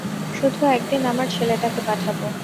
শুধু একদিন আমার ছেলেটাকে পাঠাব।